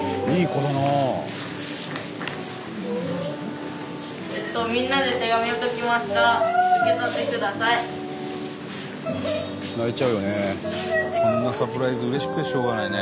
こんなサプライズうれしくてしょうがないね。